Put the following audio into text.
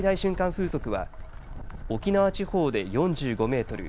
風速は沖縄地方で４５メートル